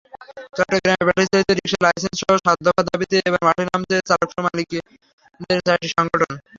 চট্টগ্রামে ব্যাটারিচালিত রিকশার লাইসেন্সসহ সাত দফা দাবিতে এবার মাঠে নামছে চালক-মালিকদের চারটি সংগঠন।